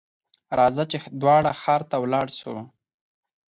راځه ! چې دواړه ښار ته ولاړ شو.